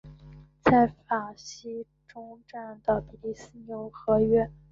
在法西终战的比利牛斯和约。